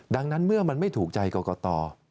ดังนั้นเมื่อมันไม่ถูกใจกรกต